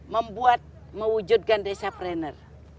membuat mewujudkan desa trainer